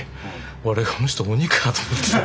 俺「この人鬼かな」と思ってた。